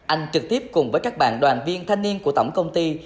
anh trực tiếp cùng với các bạn đoàn viên thanh niên của tổng công ty